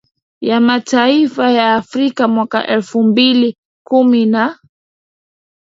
ya mataifa ya afrika mwaka elfu mbili kumi na